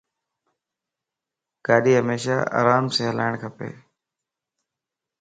گاڏي ھيمشا آرام سين ھلاڻ کپ